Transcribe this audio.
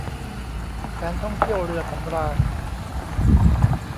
การท่องเที่ยวเรือสำราญ